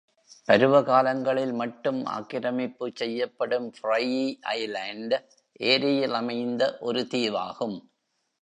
பருவகாலங்களில் மட்டும் ஆக்கிரமிப்பு செய்யப்படும் Frye Island, ஏரியில் அமைந்த ஒரு தீவாகும்.